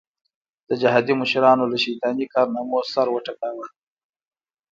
د جهادي مشرانو له شیطاني کارنامو سر وټکاوه.